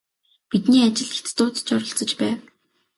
Бидний ажилд хятадууд ч оролцож байв.